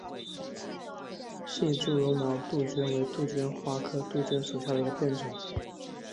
瘦柱绒毛杜鹃为杜鹃花科杜鹃属下的一个变种。